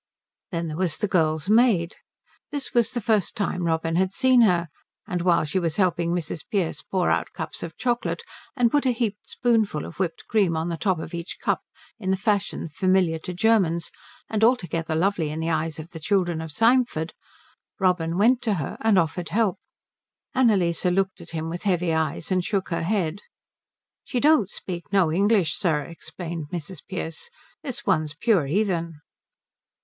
Then there was the girl's maid. This was the first time Robin had seen her; and while she was helping Mrs. Pearce pour out cups of chocolate and put a heaped spoonful of whipped cream on the top of each cup in the fashion familiar to Germans and altogether lovely in the eyes of the children of Symford, Robin went to her and offered help. Annalise looked at him with heavy eyes, and shook her head. "She don't speak no English, sir," explained Mrs. Pearce. "This one's pure heathen."